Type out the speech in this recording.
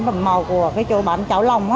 phẩm màu của chỗ bán cháo lòng